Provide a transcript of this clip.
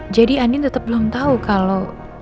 jadi andi tetep belum tau kalo